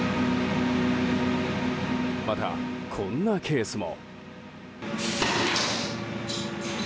また、こんなケースも。